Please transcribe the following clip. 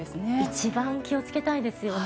一番気をつけたいですよね。